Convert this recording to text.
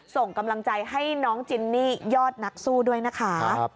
ส่งกำลังใจให้น้องจินนี่ยอดนักสู้ด้วยนะคะ